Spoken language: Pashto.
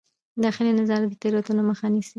داخلي نظارت د تېروتنو مخه نیسي.